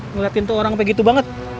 ngeliatin tuh orang kayak gitu banget